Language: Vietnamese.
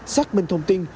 xác minh thông tin